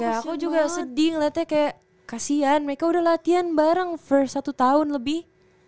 ya aku juga sedih ngeliatnya kayak kasihan mereka udah latihan bareng first satu tahun lebih